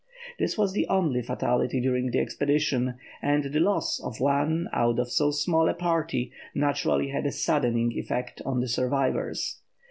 This was the only fatality during the expedition, and the loss of one out of so small a party naturally had a saddening effect on the survivors.